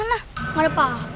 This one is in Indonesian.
enggak ada apa apa